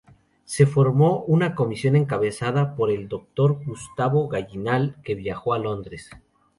Se formó una comisión encabezada por el Dr. Gustavo Gallinal que viajó a Londres.